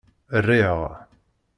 Rriɣ.